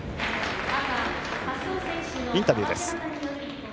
インタビューです。